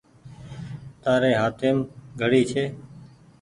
تآري هآتيم گھڙي ڇي۔